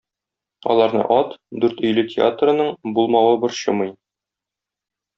Аларны ат, Дүртөйле театрының булмавы борчымый.